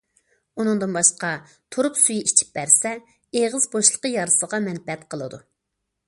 ئۇنىڭدىن باشقا، تۇرۇپ سۈيى ئىچىپ بەرسە، ئېغىز بوشلۇقى يارىسىغا مەنپەئەت قىلىدۇ.